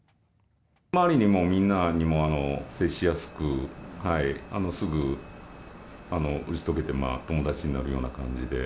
周りにもみんなにも接しやすく、すぐ打ち解けて友達になるような感じで。